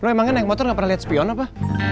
lo emang nge naik motor gak pernah liat spion apa